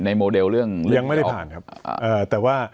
โมเดลเรื่องยังไม่ได้ผ่านครับแต่ว่า